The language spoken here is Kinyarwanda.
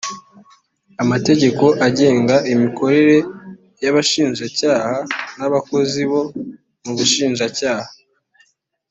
amategeko agenga imikorere y’ abashinjacyaha n’ abakozi bo mu bushinjacyaha